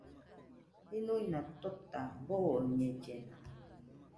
Jɨnuina tota boñellena.